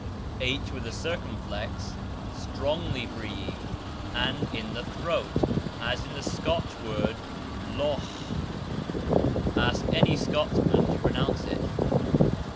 hx strongly breathed, and in the throat, as in the Scotch word loCH. (Ask any Scotsman to pronounce it).